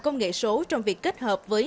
công nghệ số trong việc kết hợp với